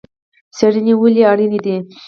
څیړنه ولې اړینه ده؟